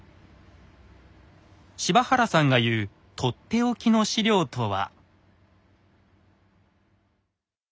柴原さんが言うとっておきの史料とは。